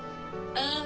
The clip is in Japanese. うん。